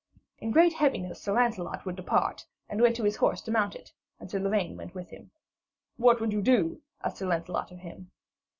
In great heaviness Sir Lancelot would depart, and went to his horse to mount it; and Sir Lavaine went with him. 'What would you do?' asked Sir Lancelot of him.